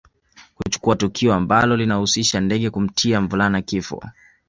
Kuchukua tukio ambalo lilihusisha ndege kumtia mvulana kifo